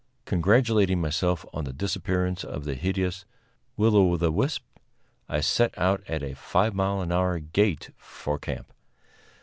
Congratulating myself on the disappearance of the hideous will o' the wisp, I set out at a five mile an hour gait for camp.